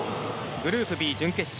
グループＢ準決勝。